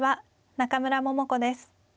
中村桃子です。